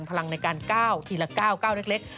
พลังในการก้าวทีละก้าวเล็ก